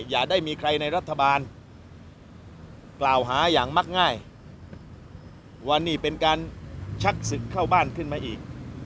อย่าได้มีใครในรัฐบาลกล่าวหาอย่างมักง่ายว่านี่เป็นการชักศึกเข้าบ้านขึ้นมาอีก